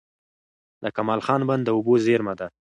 د کمال خان بند د اوبو زېرمه ده.